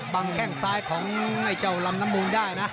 แข้งซ้ายของไอ้เจ้าลำน้ำมุงได้นะ